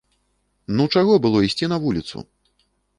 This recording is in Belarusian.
Ну чаго было ісці на вуліцу?